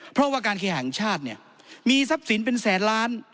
เพราะว่าการเคแห่งชาติเนี่ยมีทรัพย์สินเป็นแสนล้าน